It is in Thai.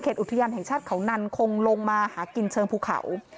อุทยานแห่งชาติเขานันคงลงมาหากินเชิงภูเขา